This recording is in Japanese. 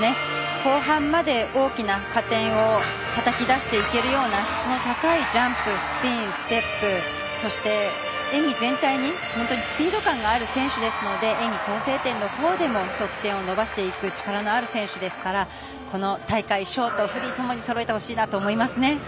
後半まで大きな加点をたたき出していけるような質の高いジャンプスピン、ステップそして演技全体に本当にスピード感がある選手ですから演技構成点のところでも得点を伸ばしていく力のある選手ですからこの大会ショート、フリーともにそろえてほしいなと思います。